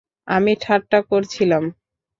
আমি ঠাট্টা করছিলাম।